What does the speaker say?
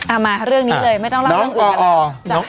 อ่ามาเรื่องนี้เลยไม่ต้องเล่าเรื่องอื่นนะฮะน้องอ๋อ